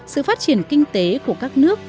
sự phát triển kinh tế của các nước